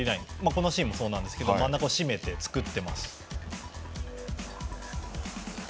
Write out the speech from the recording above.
このシーンもそうですが真ん中を締めて作っています。